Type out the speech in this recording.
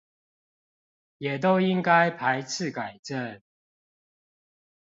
也都應該排斥改正